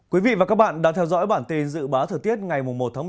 quý vị và các bạn đang theo dõi bản tin dự báo thời tiết ngày một một mươi hai